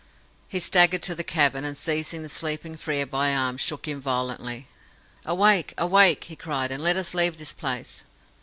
He staggered to the cavern, and, seizing the sleeping Frere by the arm, shook him violently. "Awake! awake!" he cried, "and let us leave this place!"